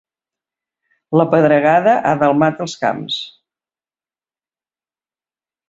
La pedregada ha delmat els camps.